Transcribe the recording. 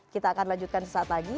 kita akan lanjutkan sesaat lagi